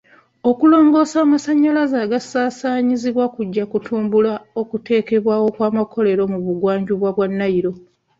Okulongoosa amasanyalaze agasaasaanyizibwa kujja kutumbula okuteekebwawo kw'amakolero mu bugwanjuba bwa Nile.